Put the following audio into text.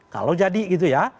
kalau jadi gitu ya